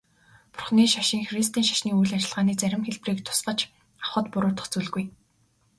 Бурханы шашин христийн шашны үйл ажиллагааны зарим хэлбэрийг тусгаж авахад буруудах зүйлгүй.